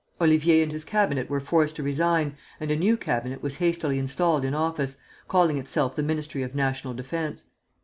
Ollivier and his cabinet were forced to resign, and a new cabinet was hastily installed in office, calling itself the Ministry of National Defence.